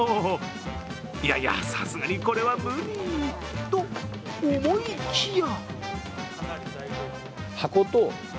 いやいや、さすがにこれは無理と思いきや。